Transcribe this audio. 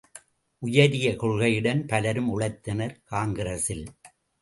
உயரிய கொள்கையுடன் பலரும் உழைத்தனர் காங்கிரசில்.